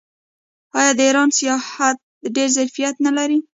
آیا د ایران سیاحت ډیر ظرفیت نلري؟